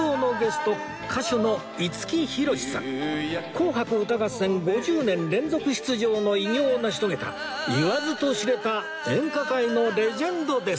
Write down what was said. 『紅白歌合戦』５０年連続出場の偉業を成し遂げた言わずと知れた演歌界のレジェンドです